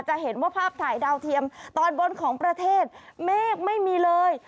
จะเห็นว่าภาพถ่ายดาวเทียมตอนบนของประเทศเมฆไม่มีเลย